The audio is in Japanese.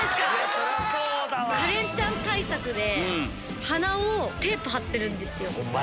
カレンちゃん対策で鼻をテープ貼ってるんですよ。